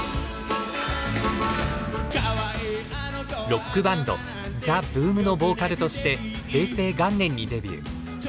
ロックバンドＴＨＥＢＯＯＭのボーカルとして平成元年にデビュー。